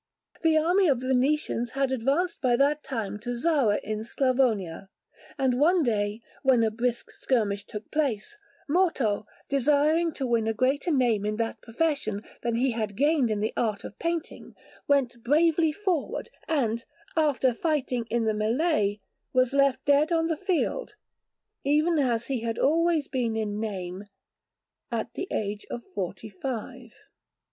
The army of the Venetians had advanced by that time to Zara in Sclavonia; and one day, when a brisk skirmish took place, Morto, desiring to win a greater name in that profession than he had gained in the art of painting, went bravely forward, and, after fighting in the mêlée, was left dead on the field, even as he had always been in name, at the age of forty five.